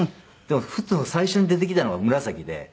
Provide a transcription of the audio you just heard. でもふと最初に出てきたのが紫で。